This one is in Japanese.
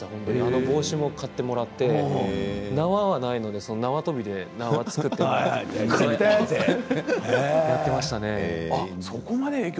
帽子も買ってもらって縄はないので縄跳びで縄を作って振り回していました。